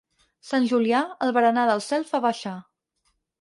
Sant Julià, el berenar del cel fa baixar.